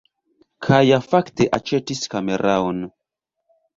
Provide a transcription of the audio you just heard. Kaja fakte aĉetis kameraon